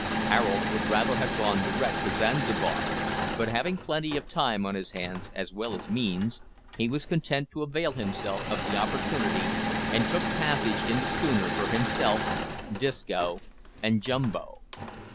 Harold would rather have gone direct to Zanzibar, but, having plenty of time on his hands, as well as means, he was content to avail himself of the opportunity, and took passage in the schooner for himself, Disco, and Jumbo.